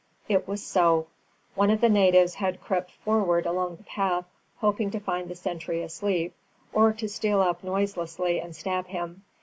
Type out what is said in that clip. It was so. One of the natives had crept forward along the path, hoping to find the sentry asleep, or to steal up noiselessly and stab him.